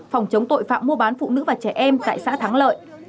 phòng chống tội phạm mua bán phụ nữ và trẻ em tại xã thắng lợi